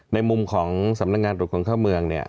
ในมุมของสำนักงานตัวคนเข้าเมือง